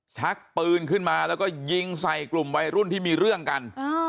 ชักปืนขึ้นมาแล้วก็ยิงใส่กลุ่มวัยรุ่นที่มีเรื่องกัน